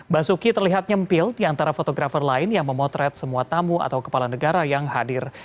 basuki terlihat nyempil di antara fotografer lain yang memotret semua tamu atau kepala negara yang hadir